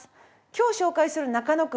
今日紹介する中野区。